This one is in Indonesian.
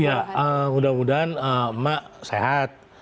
ya mudah mudahan emak sehat